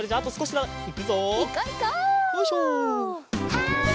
はい。